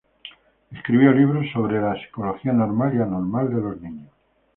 Escribió libros acerca de la psicología normal y anormal de los niños.